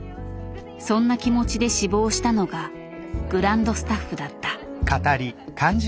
そんな気持ちで志望したのがグランドスタッフだった。